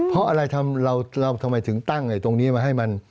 เพราะอะไรเราทำไมถึงตั้งตรงนี้มาให้มัน